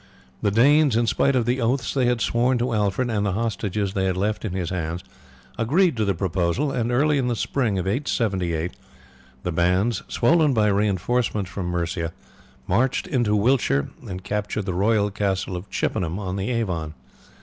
The Danes, in spite of the oaths they had sworn to Alfred, and the hostages they had left in his hands, agreed to the proposal; and early in the spring of 878 the bands, swollen by reinforcements from Mercia, marched into Wiltshire and captured the royal castle of Chippenham on the Avon.